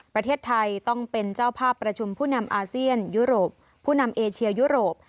ประเทศไทยต้องเป็นเจ้าภาพประชุมผู้นำอาเซียนยุโรปผู้นำเอเชียยุโรป